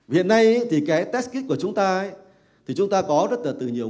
hiện nay thì cái test kit của chúng ta thì chúng ta có rất là nhiều nguồn